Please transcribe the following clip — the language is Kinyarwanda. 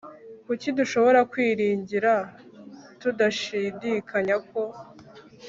Kuki dushobora kwiringira tudashidikanya ko